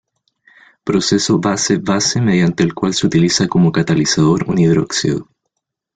Proceso base-base, mediante el cual se utiliza como catalizador un hidróxido.